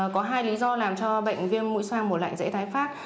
có hai lý do làm cho bệnh viêm mũi xoang mùa lạnh dễ tay phát